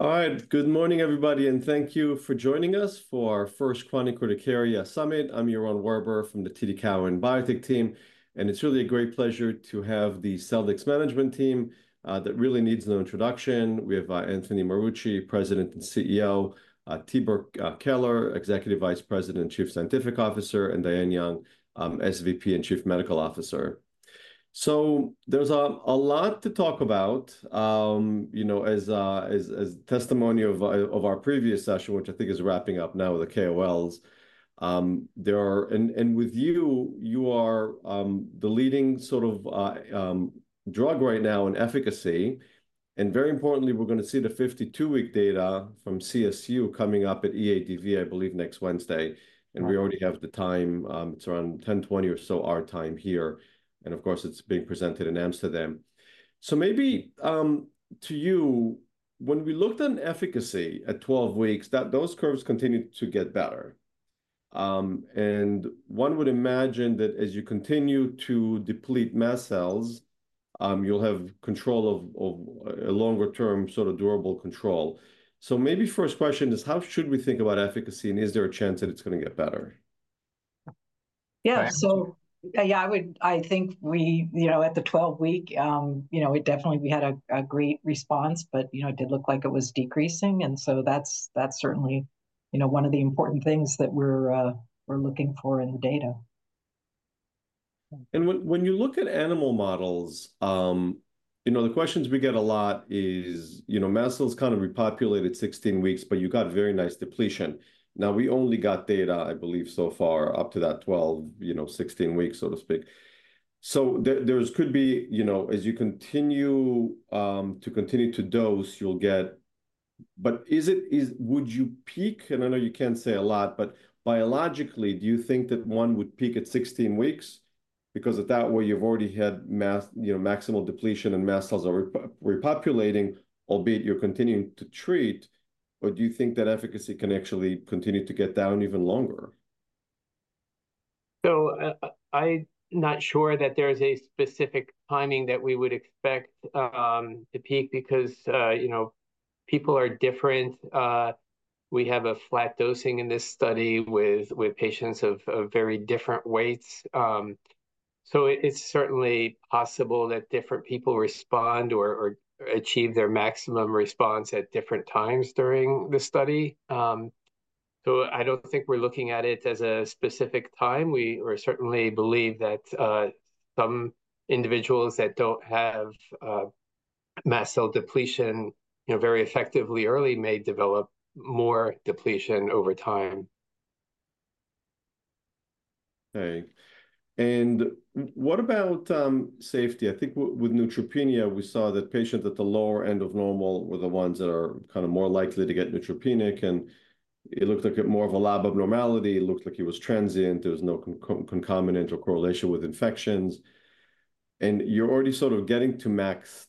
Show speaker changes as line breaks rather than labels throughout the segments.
All right, good morning, everybody, and thank you for joining us for our first Chronic Urticaria Summit. I'm Yaron Werber from the TD Cowen biotech team, and it's really a great pleasure to have the Celldex management team that really needs no introduction. We have Anthony Marucci, President and CEO, Tibor Keler, Executive Vice President and Chief Scientific Officer, and Diane Young, SVP and Chief Medical Officer. So there's a lot to talk about, you know, as testimony of our previous session, which I think is wrapping up now with the KOLs. And with you, you are the leading sort of drug right now in efficacy, and very importantly, we're gonna see the fifty-two-week data from CSU coming up at EADV, I believe, next Wednesday. We already have the time. It's around 10:20 or so our time here, and of course, it's being presented in Amsterdam. So maybe to you, when we looked at efficacy at 12 weeks, those curves continued to get better. And one would imagine that as you continue to deplete mast cells, you'll have control of a longer-term, sort of durable control. So maybe first question is, how should we think about efficacy, and is there a chance that it's gonna get better?
Yeah.
Right?
So, yeah, I would- I think we, you know, at the twelve-week, you know, we definitely, we had a great response, but, you know, it did look like it was decreasing, and so that's certainly, you know, one of the important things that we're, we're looking for in the data.
When you look at animal models, you know, the questions we get a lot is, you know, mast cells kind of repopulated 16 weeks, but you got very nice depletion. Now, we only got data, I believe, so far, up to that 12, you know, 16 weeks, so to speak. So there could be, you know, as you continue to dose, you'll get. But is it, would you peak? And I know you can't say a lot, but biologically, do you think that one would peak at 16 weeks? Because at that way, you've already had, you know, maximal depletion, and mast cells are repopulating, albeit you're continuing to treat, or do you think that efficacy can actually continue to get down even longer?
So, I'm not sure that there's a specific timing that we would expect to peak because, you know, people are different. We have a flat dosing in this study with patients of very different weights. So it's certainly possible that different people respond or achieve their maximum response at different times during the study. So I don't think we're looking at it as a specific time. We certainly believe that some individuals that don't have mast cell depletion, you know, very effectively early may develop more depletion over time.
Okay. And what about safety? I think with neutropenia, we saw that patients at the lower end of normal were the ones that are kind of more likely to get neutropenic, and it looked like more of a lab abnormality. It looked like it was transient. There was no concomitant or correlation with infections, and you're already sort of getting to max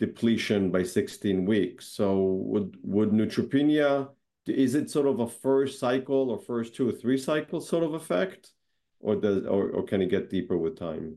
depletion by 16 weeks. So would neutropenia, is it sort of a first cycle or first two or three cycle sort of effect, or does or can it get deeper with time?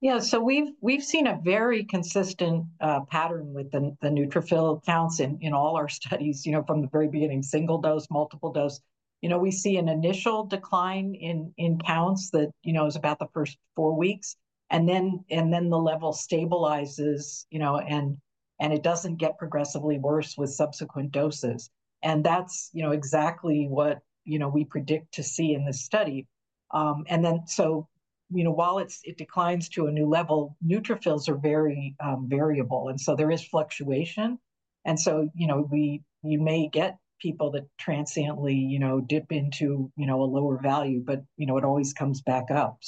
Yeah, so we've seen a very consistent pattern with the neutrophil counts in all our studies, you know, from the very beginning, single dose, multiple dose. You know, we see an initial decline in counts that, you know, is about the first four weeks, and then the level stabilizes, you know, and it doesn't get progressively worse with subsequent doses. And that's, you know, exactly what, you know, we predict to see in this study. And then, so, you know, while it declines to a new level, neutrophils are very variable, and so there is fluctuation. And so, you know, you may get people that transiently, you know, dip into, you know, a lower value, but, you know, it always comes back up.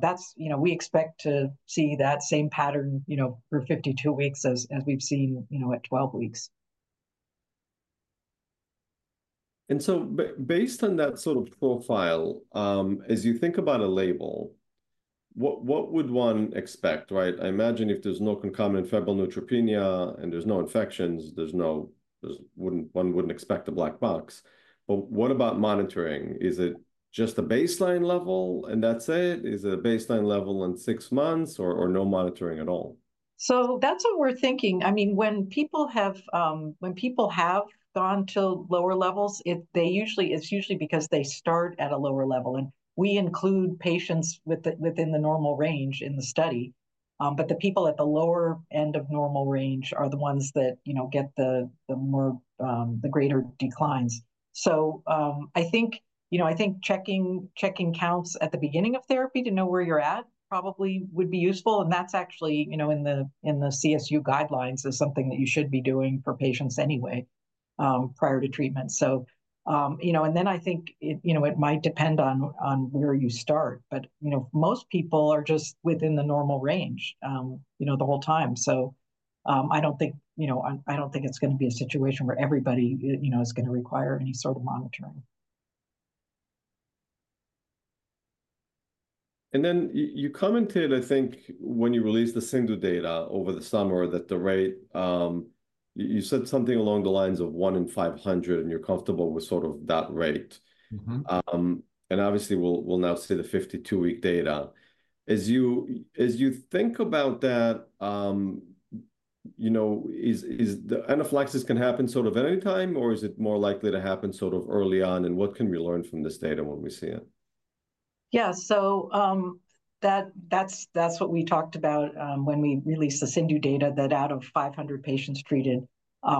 That's, you know, we expect to see that same pattern, you know, for fifty-two weeks as we've seen, you know, at twelve weeks.
And so based on that sort of profile, as you think about a label, what would one expect, right? I imagine if there's no concomitant febrile neutropenia, and there's no infections, one wouldn't expect a black box. But what about monitoring? Is it just a baseline level, and that's it? Is it a baseline level in six months or no monitoring at all?
So that's what we're thinking. I mean, when people have gone to lower levels, it's usually because they start at a lower level, and we include patients within the normal range in the study. But the people at the lower end of normal range are the ones that, you know, get the greater declines. So, I think, you know, checking counts at the beginning of therapy to know where you're at probably would be useful, and that's actually, you know, in the CSU guidelines, something that you should be doing for patients anyway, prior to treatment. So, you know, and then I think it, you know, it might depend on where you start. But, you know, most people are just within the normal range, you know, the whole time. So, I don't think, you know, I don't think it's gonna be a situation where everybody, you know, is gonna require any sort of monitoring.
And then you commented, I think, when you released the CIndU data over the summer, that the rate, you said something along the lines of one in 500, and you're comfortable with sort of that rate. And obviously, we'll now see the 52-week data. As you think about that, you know, is the anaphylaxis can happen sort of any time, or is it more likely to happen sort of early on? And what can we learn from this data when we see it?
Yeah, so, that's what we talked about, when we released the CIndU data, that out of 500 patients treated,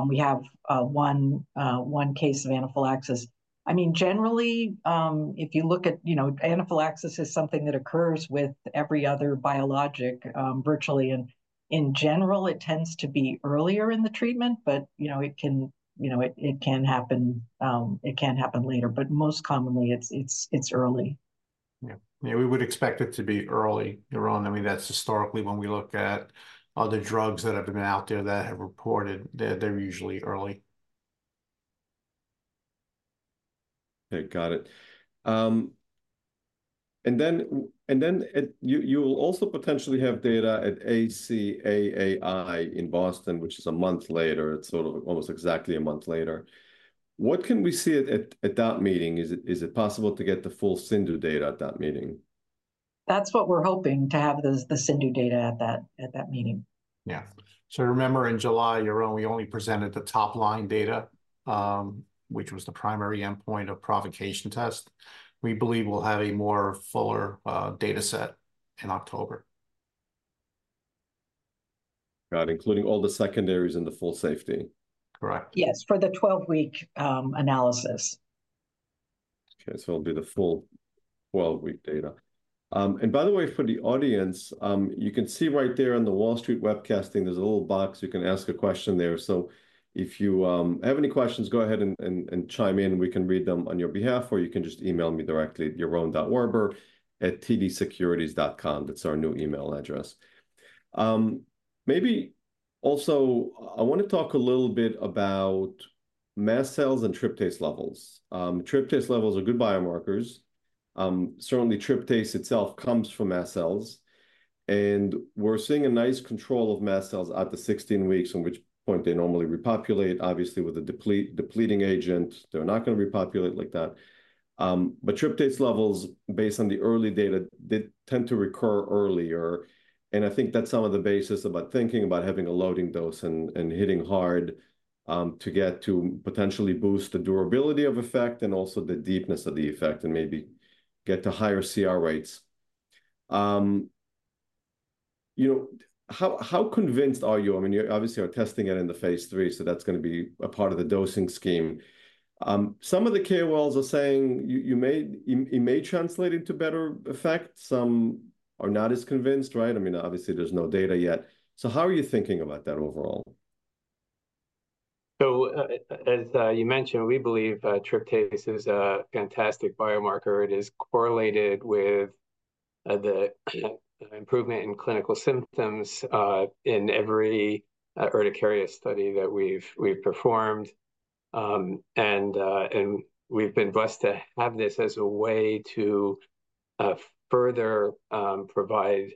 we have one case of anaphylaxis. I mean, generally, if you look at, you know, anaphylaxis is something that occurs with every other biologic, virtually, and in general, it tends to be earlier in the treatment, but, you know, it can, you know, it can happen, it can happen later, but most commonly, it's early.
Yeah. Yeah, we would expect it to be early, Yaron. I mean, that's historically when we look at other drugs that have been out there that have reported. They're, they're usually early.
Okay, got it. And then you will also potentially have data at ACAAI in Boston, which is a month later. It's sort of almost exactly a month later. What can we see at that meeting? Is it possible to get the full CIndU data at that meeting?
That's what we're hoping to have the CIndU data at that meeting.
Yeah, so remember in July, Yaron, we only presented the top-line data, which was the primary endpoint of provocation test. We believe we'll have a more fuller data set in October.
Right, including all the secondaries and the full safety.
Correct.
Yes, for the twelve-week analysis.
Okay, so it'll be the full twelve-week data. And by the way, for the audience, you can see right there on the Wall Street Webcasting, there's a little box, you can ask a question there. So if you have any questions, go ahead and chime in, we can read them on your behalf, or you can just email me directly at yaron.werber@tdsecurities.com. That's our new email address. Maybe also, I wanna talk a little bit about mast cells and tryptase levels. Tryptase levels are good biomarkers. Certainly, tryptase itself comes from mast cells, and we're seeing a nice control of mast cells at the sixteen weeks, in which point they normally repopulate. Obviously, with a depleting agent, they're not gonna repopulate like that. But tryptase levels, based on the early data, they tend to recur earlier, and I think that's some of the basis about thinking about having a loading dose and hitting hard, to get to potentially boost the durability of effect and also the deepness of the effect, and maybe get to higher CR rates. You know, how convinced are you? I mean, you obviously are testing it in Phase 3, so that's gonna be a part of the dosing scheme. Some of the KOLs are saying you may translate into better effect. Some are not as convinced, right? I mean, obviously, there's no data yet. So how are you thinking about that overall?
You mentioned, we believe, tryptase is a fantastic biomarker. It is correlated with the improvement in clinical symptoms in every urticaria study that we've performed. And we've been blessed to have this as a way to further provide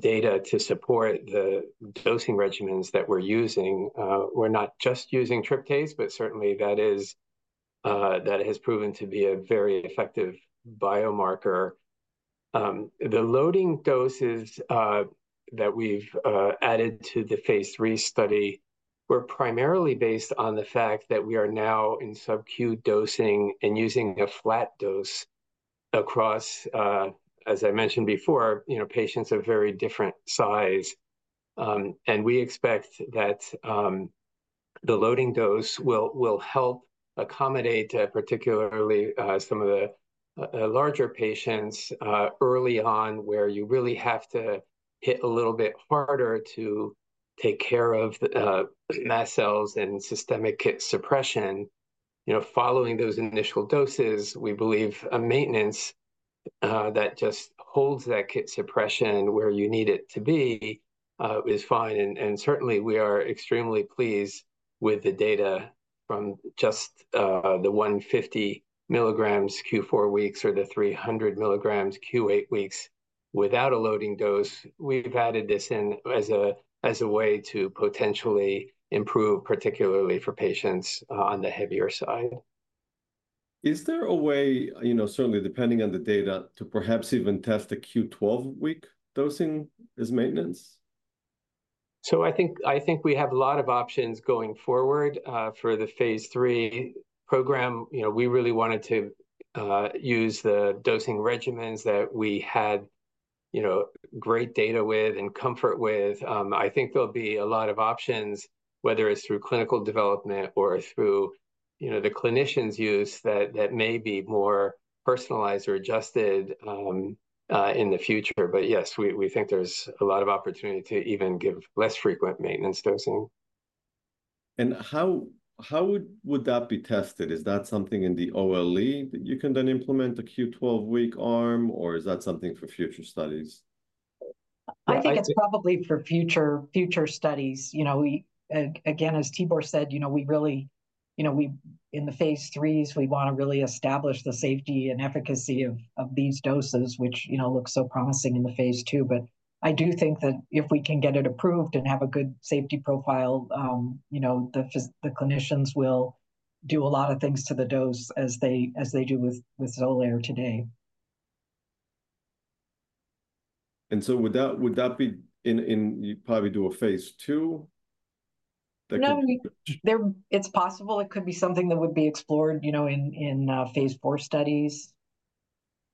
data to support the dosing regimens that we're using. We're not just using tryptase, but certainly that is, that has proven to be a very effective biomarker. The loading doses that we've added to Phase 3 study were primarily based on the fact that we are now in SubQ dosing and using a flat dose across, as I mentioned before, you know, patients of very different size. And we expect that the loading dose will help accommodate particularly some of the larger patients early on where you really have to hit a little bit harder to take care of the mast cells and systemic KIT suppression. You know, following those initial doses, we believe a maintenance that just holds that KIT suppression where you need it to be is fine, and certainly we are extremely pleased with the data from just the 150 milligrams q4 weeks or the 300 milligrams q8 weeks without a loading dose. We've added this in as a way to potentially improve particularly for patients on the heavier side.
Is there a way, you know, certainly depending on the data, to perhaps even test the q12-week dosing as maintenance?
So I think, I think we have a lot of options going forward, for Phase 3 program. You know, we really wanted to use the dosing regimens that we had, you know, great data with and comfort with. I think there'll be a lot of options, whether it's through clinical development or through, you know, the clinicians' use, that may be more personalized or adjusted, in the future. But yes, we think there's a lot of opportunity to even give less frequent maintenance dosing.
How would that be tested? Is that something in the OLE that you can then implement the q12-week arm, or is that something for future studies?
I think it's probably for future studies. You know, we again, as Tibor said, you know, we really, you know, we in Phase 3s, we wanna really establish the safety and efficacy of these doses, which you know looks so promising in the Phase 2. But I do think that if we can get it approved and have a good safety profile, you know, the clinicians will do a lot of things to the dose as they do with Xolair today.
And so would that be in? You'd probably do Phase 2 that could-
No, it's possible. It could be something that would be explored, you know, in Phase 4 studies,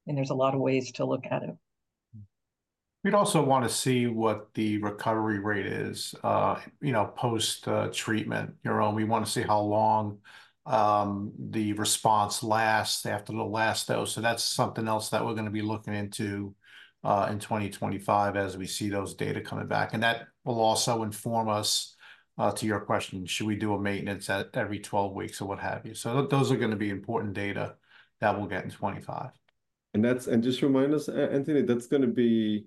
and there's a lot of ways to look at it.
We'd also want to see what the recovery rate is, you know, post treatment, Yaron. We want to see how long the response lasts after the last dose, so that's something else that we're gonna be looking into in 2025 as we see those data coming back. And that will also inform us, to your question, should we do a maintenance at every 12 weeks or what have you? So those are gonna be important data that we'll get in 2025.
And just remind us, Anthony, that's gonna be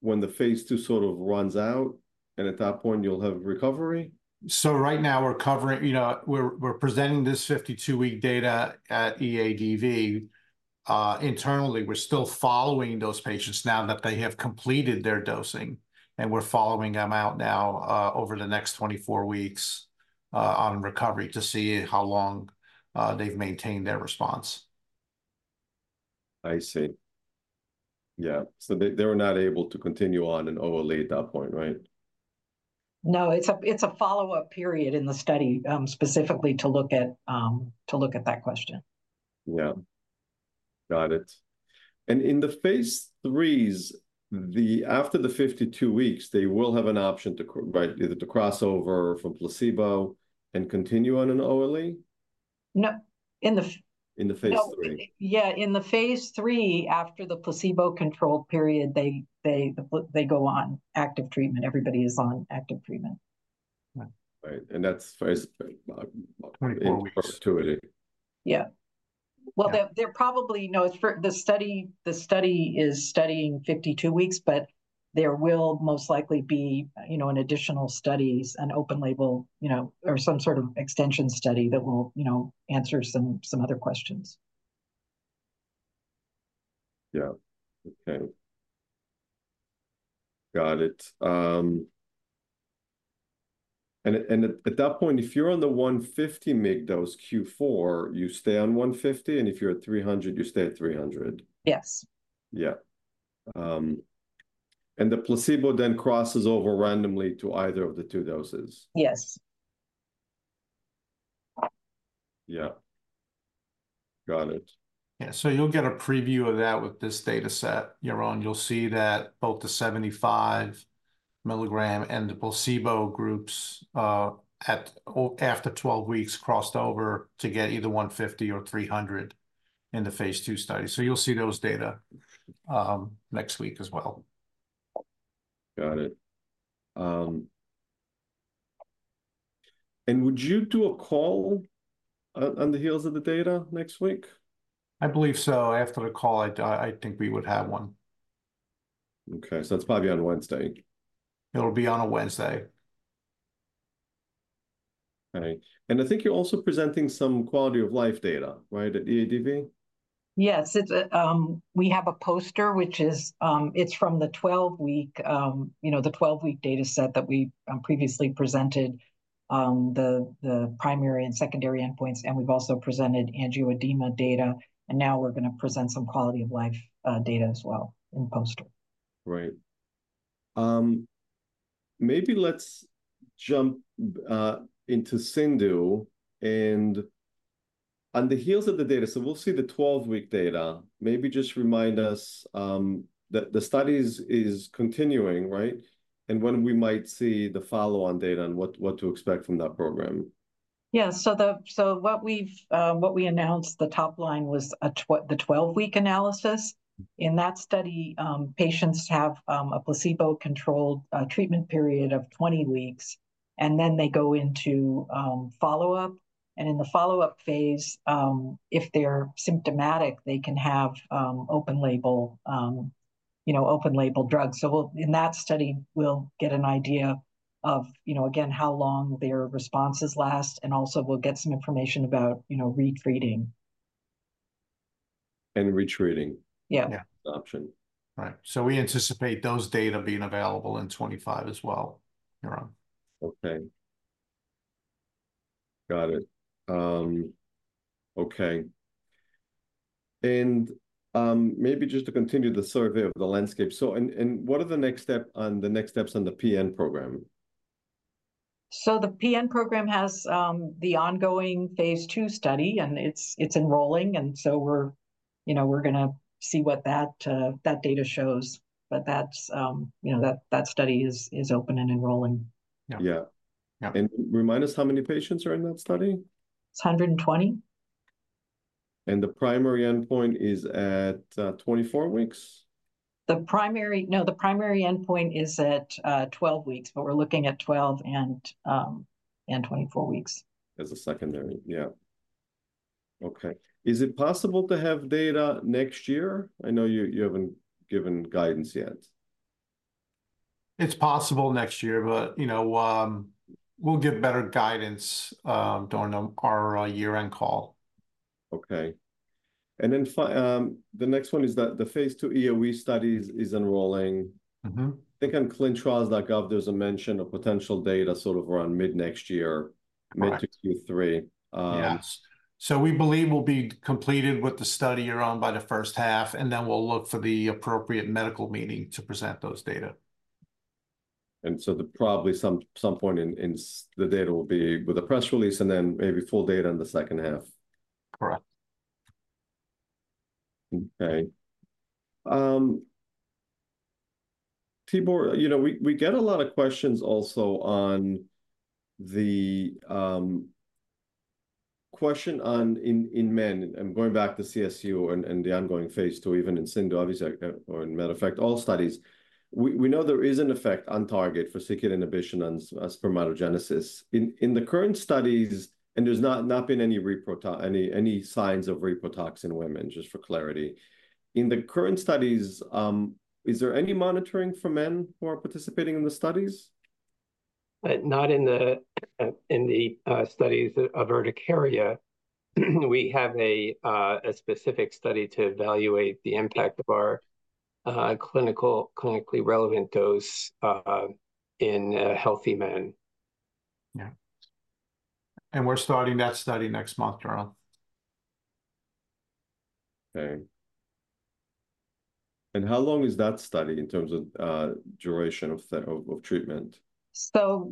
when Phase 2 sort of runs out, and at that point you'll have recovery?
So right now we're covering you know, we're presenting this 52-week data at EADV. Internally, we're still following those patients now that they have completed their dosing, and we're following them out now over the next 24 weeks on recovery to see how long they've maintained their response.
I see. Yeah, so they were not able to continue on an OLE at that point, right?
No, it's a follow-up period in the study, specifically to look at that question.
Yeah. Got it. And in the Phase 3s, after the 52 weeks, they will have an option, right, either to cross over from placebo and continue on an OLE?
No, in the f-
In the Phase 3.
No. Yeah, in the Phase 3, after the placebo-controlled period, they go on active treatment. Everybody is on active treatment.
Right, right, and that's phase,
24 weeks
In perpetuity.
Yeah. There probably, you know, for the study, the study is studying 52 weeks, but there will most likely be, you know, an additional studies, an open label, you know, or some sort of extension study that will, you know, answer some other questions.
Yeah. Okay. Got it. And at that point, if you're on the 150 mg dose Q4, you stay on 150, and if you're at 300, you stay at 300?
Yes.
Yeah, and the placebo then crosses over randomly to either of the two doses?
Yes.
Yeah. Got it.
Yeah, so you'll get a preview of that with this data set, Yaron. You'll see that both the 75 milligram and the placebo groups, after 12 weeks, crossed over to get either 150 or 300 in Phase 2 study, so you'll see those data next week as well.
Got it. And would you do a call on the heels of the data next week?
I believe so. After the call, I'd think we would have one.
Okay, so that's probably on Wednesday.
It'll be on a Wednesday.
Right. And I think you're also presenting some quality-of-life data, right, at EADV?
Yes, it's a. We have a poster, which is, it's from the 12-week, you know, the 12-week data set that we previously presented, the primary and secondary endpoints, and we've also presented angioedema data, and now we're gonna present some quality-of-life data as well in poster.
Right. Maybe let's jump into CIndU, and on the heels of the data, so we'll see the 12-week data. Maybe just remind us that the studies is continuing, right? And when we might see the follow-on data and what to expect from that program.
Yeah, so what we've announced, the top line, was the 12-week analysis. In that study, patients have a placebo-controlled treatment period of 20 weeks, and then they go into follow-up, and in the follow-up phase, if they're symptomatic, they can have open-label, you know, open-label drugs. So we'll, in that study, we'll get an idea of, you know, again, how long their responses last, and also we'll get some information about, you know, retreating.
And retreating?
Yeah.
Yeah.
Option.
Right, so we anticipate those data being available in 2025 as well, Yaron.
Okay. Got it. Okay, and maybe just to continue the survey of the landscape, so what are the next steps on the PN program?
So the PN program has the Phase 2 study, and it's enrolling, and so we're, you know, we're gonna see what that data shows. But that's, you know, that study is open and enrolling.
Yeah.
Yeah.
Yeah.
Remind us how many patients are in that study?
It's 120.
The primary endpoint is at 24 weeks?
The primary... No, the primary endpoint is at 12 weeks, but we're looking at 12 and 24 weeks.
As a secondary, yeah. Okay. Is it possible to have data next year? I know you haven't given guidance yet.
It's possible next year, but you know, we'll give better guidance during our year-end call.
Okay. And then the next one is that Phase 2 EoE studies is enrolling. I think on clinicaltrials.gov, there's a mention of potential data sort of around mid-next year. Mid to Q3.
Yes. So we believe we'll be completed with the study we're on by the first half, and then we'll look for the appropriate medical meeting to present those data.
And so probably some point in the data will be with a press release, and then maybe full data in the second half?
Correct.
Okay. People, you know, we get a lot of questions also on the question on in men, and going back to CSU and the Phase 2, even in CIndU, obviously, as a matter of fact, all studies, we know there is an effect on target for c-KIT inhibition on spermatogenesis. In the current studies. And there's not been any reprotox, any signs of reprotox in women, just for clarity. In the current studies, is there any monitoring for men who are participating in the studies?
Not in the studies of urticaria. We have a specific study to evaluate the impact of our clinically relevant dose in healthy men.
Yeah, and we're starting that study next month, Yaron.
Okay. And how long is that study in terms of, duration of the treatment?
So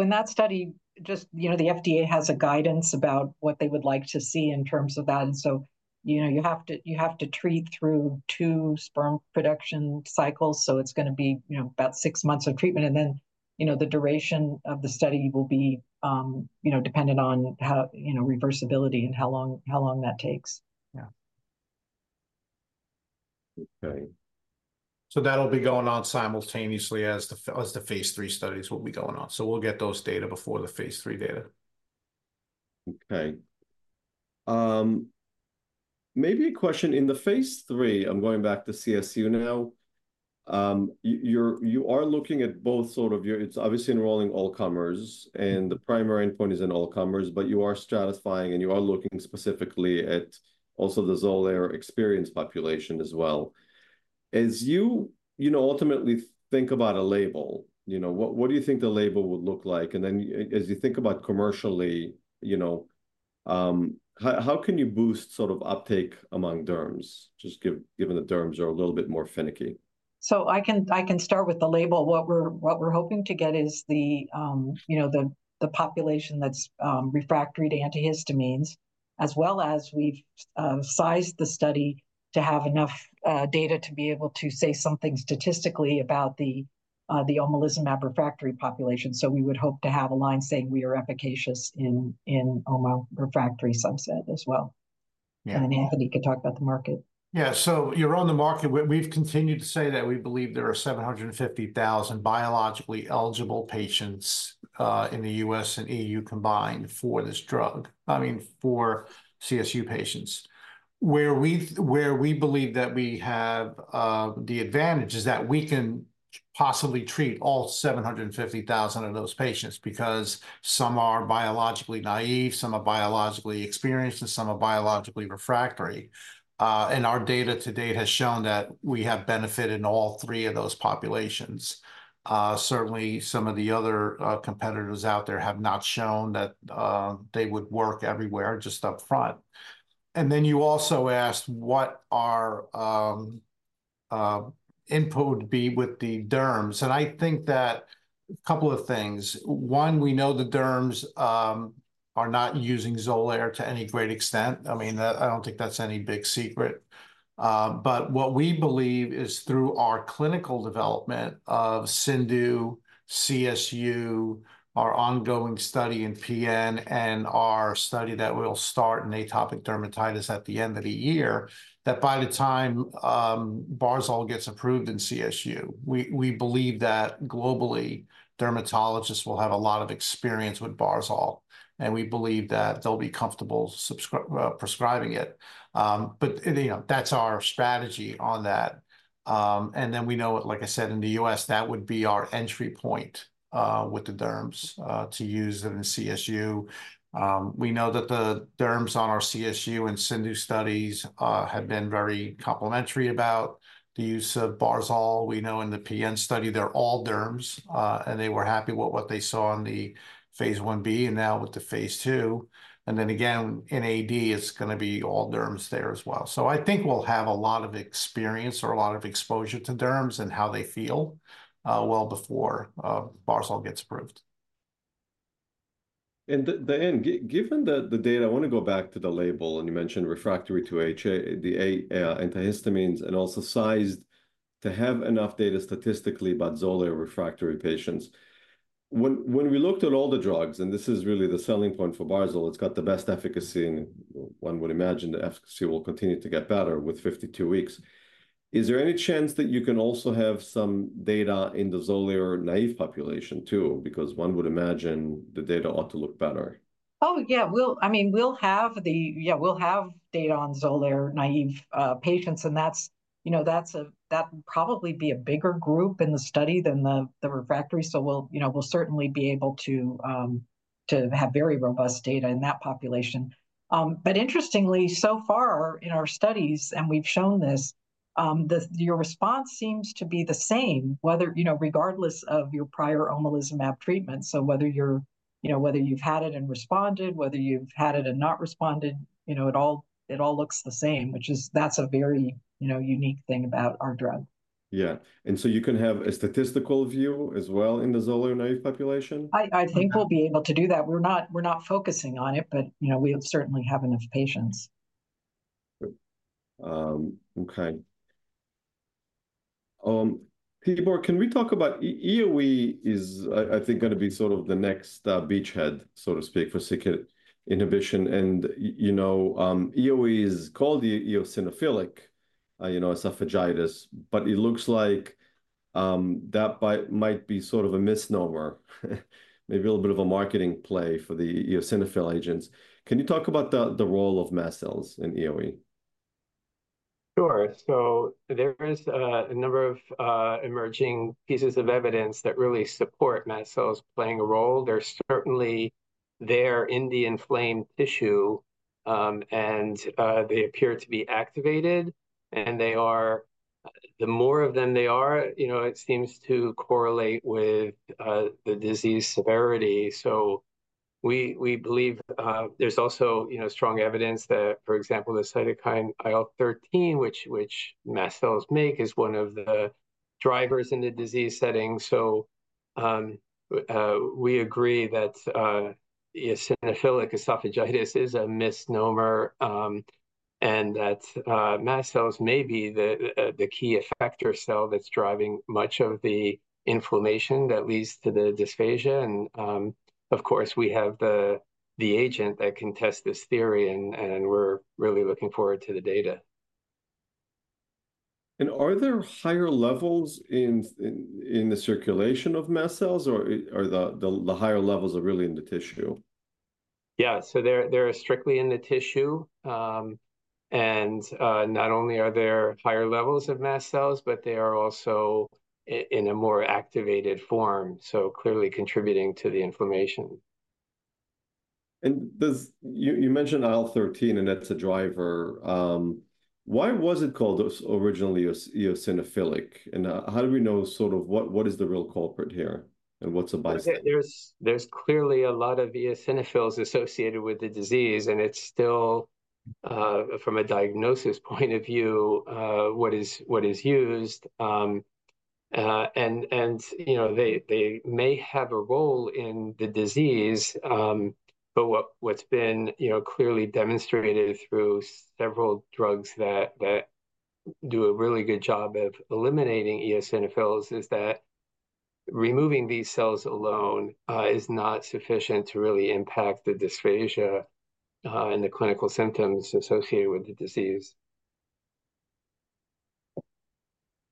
in that study, just, you know, the FDA has a guidance about what they would like to see in terms of that. And so, you know, you have to treat through two sperm production cycles, so it's gonna be, you know, about six months of treatment. And then, you know, the duration of the study will be, you know, dependent on how, you know, reversibility and how long that takes.
Yeah.
Okay.
That'll be going on simultaneously as the Phase 3 studies will be going on. We'll get those data before the Phase 3 data.
Okay. Maybe a question, in the Phase 3, I'm going back to CSU now, you're, you are looking at both sort of your... It's obviously enrolling all comers, and the primary endpoint is in all comers, but you are stratifying, and you are looking specifically at also the Xolair experience population as well. As you, you know, ultimately think about a label, you know, what, what do you think the label would look like? And then as you think about commercially, you know, how, how can you boost sort of uptake among derms, just given that derms are a little bit more finicky?
So I can start with the label. What we're hoping to get is, you know, the population that's refractory to antihistamines, as well as we've sized the study to have enough data to be able to say something statistically about the omalizumab refractory population. So we would hope to have a line saying we are efficacious in omalizumab refractory subset as well.
Yeah.
Anthony can talk about the market.
Yeah, so you're on the market. We've continued to say that we believe there are 750,000 biologically eligible patients in the U.S. and E.U. combined for this drug, I mean, for CSU patients. Where we believe that we have the advantage is that we can possibly treat all 750,000 of those patients, because some are biologically naive, some are biologically experienced, and some are biologically refractory. And our data to date has shown that we have benefited all three of those populations. Certainly, some of the other competitors out there have not shown that they would work everywhere just upfront. And then you also asked what our input would be with the derms, and I think couple of things. One, we know the derms are not using Xolair to any great extent. I mean, that, I don't think that's any big secret. But what we believe is through our clinical development of CIndU, CSU, our ongoing study in PN, and our study that will start in atopic dermatitis at the end of the year, that by the time, Barzol gets approved in CSU, we, we believe that globally, dermatologists will have a lot of experience with Barzol, and we believe that they'll be comfortable prescribing it. But, you know, that's our strategy on that. And then we know, like I said, in the US, that would be our entry point, with the derms, to use it in CSU. We know that the derms on our CSU and CIndU studies, have been very complimentary about the use of Barzol. We know in the PN study, they're all derms, and they were happy with what they saw in the Phase 1b and now with Phase 2. and then again, in AD, it's gonna be all derms there as well. So I think we'll have a lot of experience or a lot of exposure to derms and how they feel well before Barzol gets approved.
And then, given the data, I wanna go back to the label, and you mentioned refractory to H1 antihistamines, and also sized to have enough data statistically about Xolair refractory patients. When we looked at all the drugs, and this is really the selling point for Barzol, it's got the best efficacy, and one would imagine the efficacy will continue to get better with 52 weeks. Is there any chance that you can also have some data in the Xolair-naive population, too? Because one would imagine the data ought to look better.
Oh, yeah, I mean, we'll have data on Xolair-naive patients, and that's, you know, that would probably be a bigger group in the study than the refractory. So we'll, you know, we'll certainly be able to to have very robust data in that population. But interestingly, so far in our studies, and we've shown this, the your response seems to be the same, whether, you know, regardless of your prior omalizumab treatment. So whether you're, you know, whether you've had it and responded, whether you've had it and not responded, you know, it all looks the same, which is, that's a very, you know, unique thing about our drug.
Yeah. And so you can have a statistical view as well in the Xolair naive population?
I think we'll be able to do that. We're not focusing on it, but, you know, we certainly have enough patients.
Great. Okay. Tibor, can we talk about EoE? I think it's gonna be sort of the next beachhead, so to speak, for KIT inhibition. And you know, EoE is called the eosinophilic, you know, esophagitis, but it looks like that might be sort of a misnomer, maybe a little bit of a marketing play for the eosinophil agents. Can you talk about the role of mast cells in EoE?
Sure. So there is a number of emerging pieces of evidence that really support mast cells playing a role. They're certainly there in the inflamed tissue, and they appear to be activated, and they are... the more of them there are, you know, it seems to correlate with the disease severity. So we believe there's also, you know, strong evidence that, for example, the cytokine IL-13, which mast cells make, is one of the drivers in the disease setting. So, we agree that eosinophilic esophagitis is a misnomer, and that mast cells may be the key effector cell that's driving much of the inflammation that leads to the dysphagia. And, of course, we have the agent that can test this theory, and we're really looking forward to the data.
And are there higher levels in the circulation of mast cells, or are the higher levels really in the tissue?
Yeah, so they're strictly in the tissue. And not only are there higher levels of mast cells, but they are also in a more activated form, so clearly contributing to the inflammation.
You mentioned IL-13, and that's a driver. Why was it called originally eosinophilic? How do we know sort of what is the real culprit here, and what's a bystander?
There's clearly a lot of eosinophils associated with the disease, and it's still, from a diagnosis point of view, what is used. And, you know, they may have a role in the disease, but what's been, you know, clearly demonstrated through several drugs that do a really good job of eliminating eosinophils is that removing these cells alone is not sufficient to really impact the dysphagia and the clinical symptoms associated with the disease.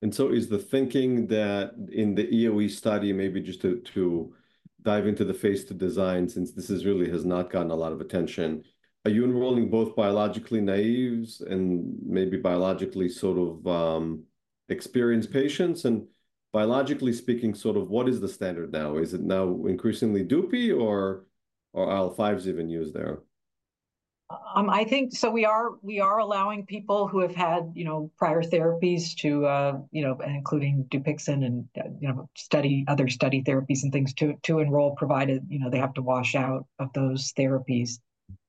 Is the thinking that in the EoE study, maybe just to dive into Phase 2 design, since this really has not gotten a lot of attention, are you enrolling both biologically naive and maybe biologically sort of experienced patients? Biologically speaking, sort of what is the standard now? Is it now increasingly Dupixent or IL-5s even used there?
I think, so we are, we are allowing people who have had, you know, prior therapies to, you know, and including Dupixent and, you know, study, other study therapies and things to, to enroll, provided, you know, they have to wash out of those therapies.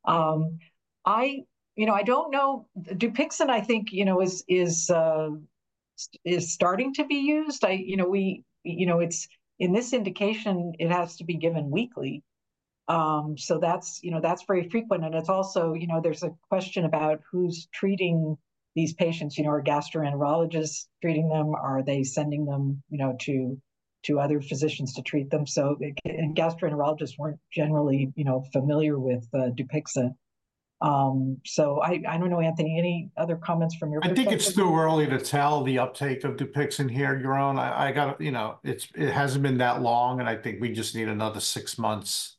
I, you know, I don't know, Dupixent, I think, you know, is, is, is starting to be used. I, you know, we, you know, it's in this indication, it has to be given weekly. So that's, you know, that's very frequent, and it's also, you know, there's a question about who's treating these patients. You know, are gastroenterologists treating them? Are they sending them, you know, to, to other physicians to treat them? And gastroenterologists weren't generally, you know, familiar with Dupixent. So I, I don't know, Anthony, any other comments from your perspective?
I think it's too early to tell the uptake of Dupixent here, Yaron. I gotta, you know, it's it hasn't been that long, and I think we just need another six months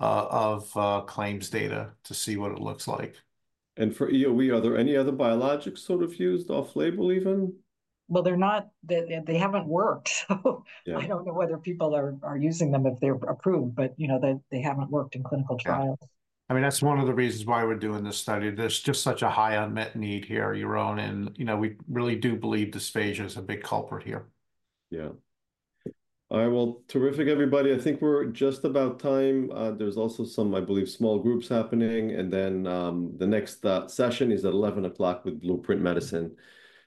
of claims data to see what it looks like.
For EoE, are there any other biologics sort of used off-label even?
They're not. They haven't worked, so-
Yeah
I don't know whether people are using them if they're approved, but, you know, they haven't worked in clinical trials.
Yeah. I mean, that's one of the reasons why we're doing this study. There's just such a high unmet need here, Yaron, and, you know, we really do believe dysphagia is a big culprit here.
Yeah. Well, terrific, everybody. I think we're just about time. There's also some, I believe, small groups happening, and then the next session is at 11:00 A.M. with Blueprint Medicines.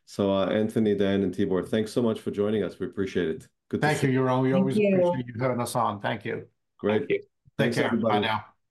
So, Anthony, Diane, and Tibor, thanks so much for joining us. We appreciate it. Good to see you.
Thank you, Yaron.
Thank you.
We always appreciate you having us on. Thank you.
Great.
Thank you.
Thanks, everybody.
Take care. Bye now.